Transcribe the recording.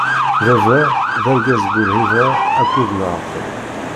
Baba, d argaz bu-lhiba akked laɛqel.